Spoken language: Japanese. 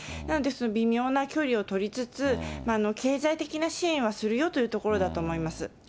なので、微妙な距離を取りつつ、経済的な支援はするよというところだと思います。